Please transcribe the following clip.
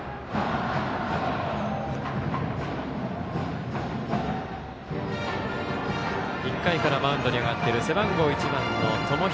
北陸高校、１回からマウンドに上がっている背番号１番、友廣。